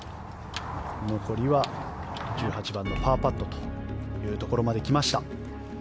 残りは１８番のパーパットというところまで来ました。